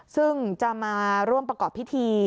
ซึ่งจะมาร่วมประกอบพิธี